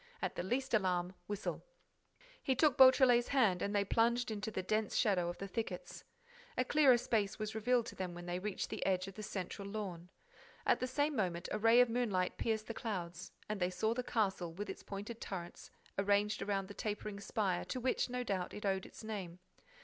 At the least alarm, whistle." He took Beautrelet's hand and they plunged into the dense shadow of the thickets. A clearer space was revealed to them when they reached the edge of the central lawn. At the same moment a ray of moonlight pierced the clouds; and they saw the castle, with its pointed turrets arranged around the tapering spire to which, no doubt, it owed its name.